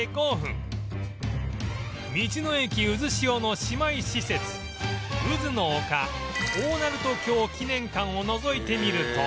道の駅うずしおの姉妹施設うずの丘大鳴門橋記念館をのぞいてみると